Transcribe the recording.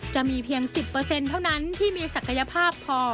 จะมีเพียง๑๐เท่านั้นที่มีศักยภาพพอ